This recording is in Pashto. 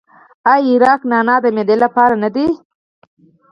آیا عرق نعنا د معدې لپاره نه دی؟